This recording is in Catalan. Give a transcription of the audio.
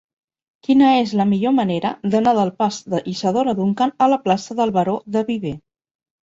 Quina és la millor manera d'anar del pas d'Isadora Duncan a la plaça del Baró de Viver?